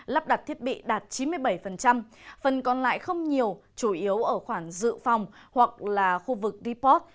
lắp đặt thiết bị đạt chín mươi bảy phần còn lại không nhiều chủ yếu ở khoảng dự phòng hoặc là khu vực deport